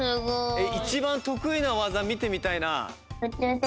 いちばんとくいなわざみてみたいな。